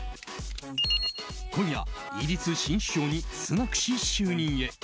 今夜イギリス新首相にスナク氏就任へ。